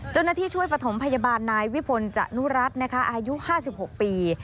จุดหน้าที่ช่วยปฐมพยาบาลนายวิภนจนุรัตน์อายุ๕๖ปี